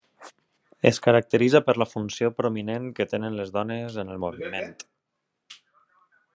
Es caracteritza per la funció prominent que tenen les dones en el moviment.